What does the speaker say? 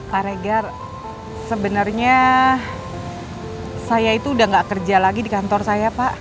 pak regar sebenarnya saya itu udah gak kerja lagi di kantor saya pak